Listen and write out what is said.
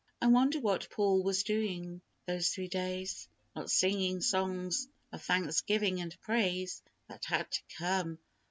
I wonder what Paul was doing those three days! Not singing songs of thanksgiving and praise. That had to come.